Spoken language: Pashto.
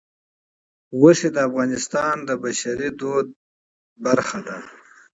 غوښې د افغانستان د بشري فرهنګ برخه ده.